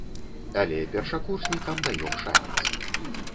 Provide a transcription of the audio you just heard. Але першакурснікам даём шанец.